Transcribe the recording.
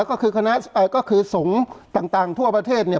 ก็คือสงค์ต่างทั่วประเทศเนี่ย